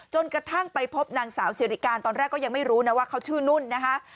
กระทั่งไปพบนางสาวสิริการตอนแรกก็ยังไม่รู้นะว่าเขาชื่อนุ่นนะคะ